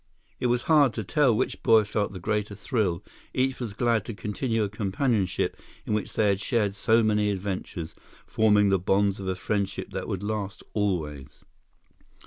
It was hard to tell which boy felt the greater thrill. Each was glad to continue a companionship in which they had shared so many adventures, forming the bonds of a friendship that would last always.